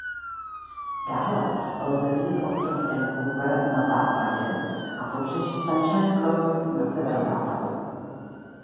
Dále lze vidět ostrov Vancouver na západě a pobřeží Sunshine Coast na severozápadě.